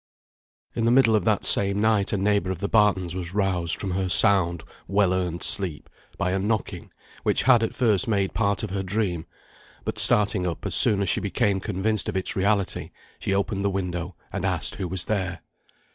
In the middle of that same night a neighbour of the Bartons was roused from her sound, well earned sleep, by a knocking, which had at first made part of her dream; but starting up, as soon as she became convinced of its reality, she opened the window, and asked who was there?